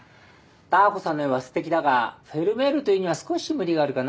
ダー子さんの絵はすてきだがフェルメールと言うには少し無理があるかな。